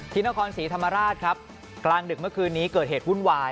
นครศรีธรรมราชครับกลางดึกเมื่อคืนนี้เกิดเหตุวุ่นวาย